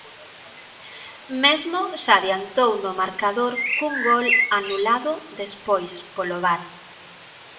Mesmo se adiantou no marcador cun gol anulado despois polo var.